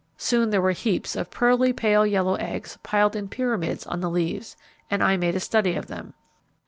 Soon there were heaps of pearly pale yellow eggs piled in pyramids on the leaves, and I made a study of them.